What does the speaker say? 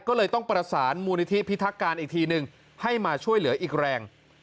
ก็เลยต้องประสานมูลนิธิพิทักการอีกทีนึงให้มาช่วยเหลืออีกแรง